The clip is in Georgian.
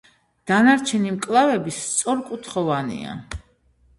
დანარჩენი მკლავები სწორკუთხოვანია.